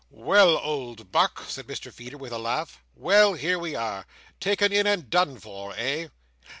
"Well, old Buck!" said Mr Feeder with a laugh. "Well! Here we are! Taken in and done for. Eh?"